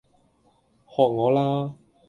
學我啦